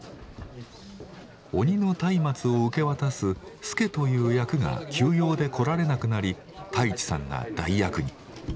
鬼の松明を受け渡す佐という役が急用で来られなくなり太一さんが代役に。